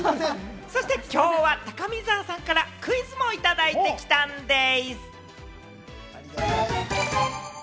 今日は高見沢さんからクイズもいただいてきたんでぃす。